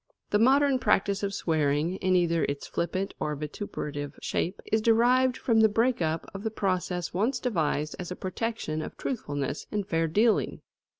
The modern practice of swearing, in either its flippant or vituperative shape, is derived from the break up of the process once devised as a protection of truthfulness and fair dealing.